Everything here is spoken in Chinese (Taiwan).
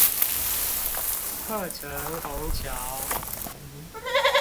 客城虹橋